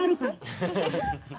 ハハハ